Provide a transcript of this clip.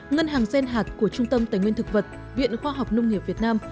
ngân hàng gen hạt của trung tâm tài nguyên thực vật viện khoa học nông nghiệp việt nam